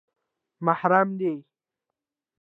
_محرم دي؟